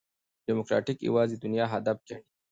ډيموکراټ یوازي دنیا هدف ګڼي.